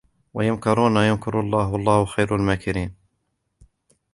ويمكرون ويمكر الله والله خير الماكرين.